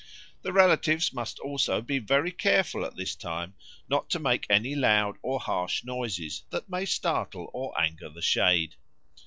The relatives must also be very careful at this time not to make any loud or harsh noises that may startle or anger the shade."